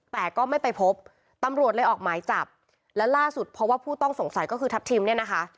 แต่ก็ไม่ไปพบตำรวจเลยออกหมายจับและล่าสุดเพราะว่าผู้ต้องสงสัยก็คือทัพทิมเนี่ยนะคะ